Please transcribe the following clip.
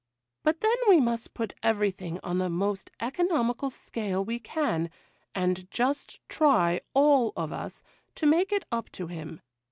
But then we must put everything on the most economical scale we can, and just try, all of us, to make it up to him.